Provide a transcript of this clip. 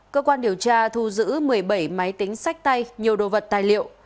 cơ quan điều tra thu giữ một mươi bảy máy tính sách tay nhiều đồ vật tài liệu